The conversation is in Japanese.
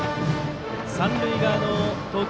三塁側の投球